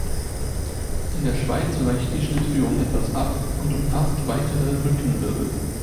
In der Schweiz weicht die Schnittführung etwas ab und umfasst weitere Rückenwirbel.